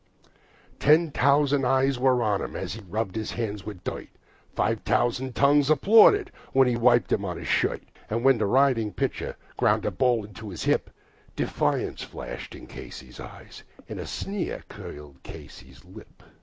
Ten thousand eyes were on him as he rubbed his hands with dirt, Five thousand tongues applauded as he wiped them on his shirt. And when the writhing pitcher ground the ball into his hip, Defiance gleamed in Casey's eye; a sneer curled Casey's lip.